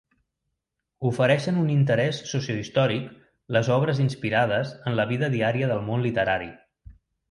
Ofereixen un interès sociohistòric les obres inspirades en la vida diària del món literari.